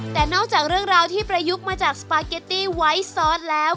แต่นอกจากเรื่องราวที่ประยุกต์มาจากสปาเกตตี้ไวท์ซอสแล้ว